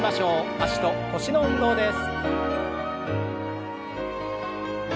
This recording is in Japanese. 脚と腰の運動です。